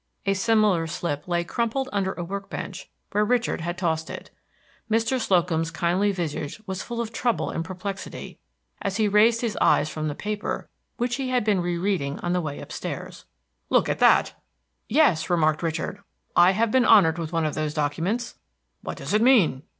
A similar slip lay crumpled under a work bench, where Richard had tossed it. Mr. Slocum's kindly visage was full of trouble and perplexity as he raised his eyes from the paper, which he had been re reading on the way up stairs. "Look at that!" "Yes," remarked Richard, "I have been honored with one of those documents." "What does it mean?"